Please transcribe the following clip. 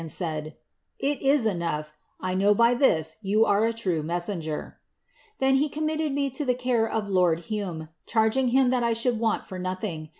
and said, ' Ii is enough ; I know by ihis yon an ■ trw mesKpnger.' Then he committed me lo ihe care of ihe lord Hnoie, chatgiitg him thai I should tranl for ntilhing.